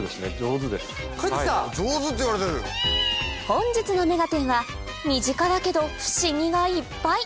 本日の『目がテン！』は身近だけど不思議がいっぱい！